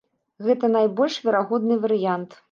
Гэта найбольш верагодны варыянт.